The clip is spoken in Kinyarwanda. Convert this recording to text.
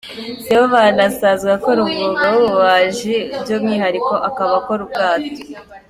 Sibomana asanzwe akora umwuga w’ububaji, by’umwihariko akaba akora ubwato.